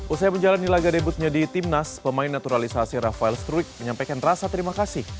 usai menjalani laga debutnya di timnas pemain naturalisasi rafael struik menyampaikan rasa terima kasih